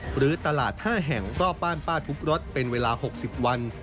หรือตลาด๕แห่งรอบบ้านป้าทุบรถเป็นเวลา๖๐วัน